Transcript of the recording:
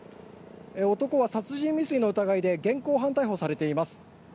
男は殺人未遂の疑いで現行犯逮捕されています。